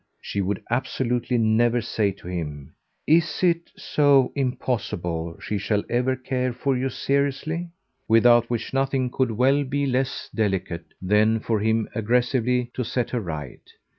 She would absolutely never say to him: "IS it so impossible she shall ever care for you seriously?" without which nothing could well be less delicate than for him aggressively to set her right.